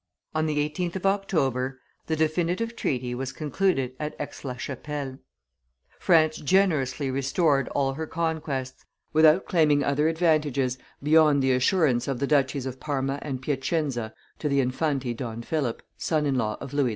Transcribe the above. On the 18th of October the definitive treaty was concluded at Aix la Chapelle. France generously restored all her conquests, without claiming other advantages beyond the assurance of the duchies of Parma and Piacenza to the Infante Don Philip, son in law of Louis XV.